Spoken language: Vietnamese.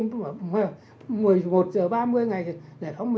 tiếng gọi vào nam sụp sôi đánh mỹ